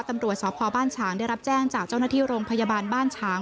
ตำรวจสพบ้านฉางได้รับแจ้งจากเจ้าหน้าที่โรงพยาบาลบ้านฉาง